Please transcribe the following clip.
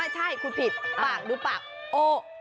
ไม่ใช่คุณผิดปากดูปาก